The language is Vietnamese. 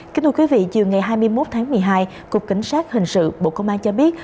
kính thưa quý vị chiều ngày hai mươi một tháng một mươi hai cục cảnh sát hình sự bộ công an cho biết